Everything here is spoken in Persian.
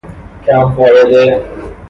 کم فایده